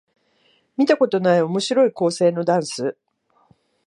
見たことない面白い構成のダンス